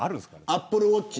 アップルウォッチ